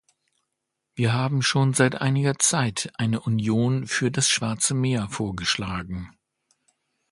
Wir haben schon seit einiger Zeit eine Union für das Schwarze Meer vorgeschlagen.